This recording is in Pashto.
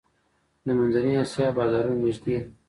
د منځنۍ اسیا بازارونه نږدې دي